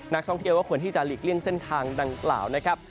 นักท่องเที่ยวก็ควรที่จะหลีกเลี่ยงเส้นทางดังกล่าวนะครับ